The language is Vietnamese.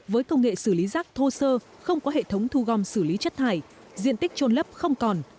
với công nghệ xử lý rác thô sơ không có hệ thống thu gom xử lý chất thải diện tích trôn lấp không còn